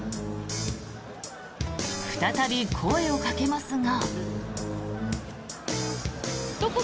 再び声をかけますが。